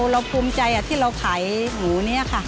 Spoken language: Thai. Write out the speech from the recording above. เราภูมิใจที่เราขายหมูนี้ค่ะ